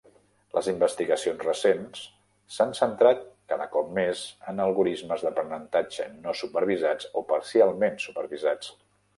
Les investigacions recents s'han centrat cada cop més en algorismes d'aprenentatge no supervisats o parcialment supervisats.